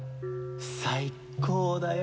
最高だよ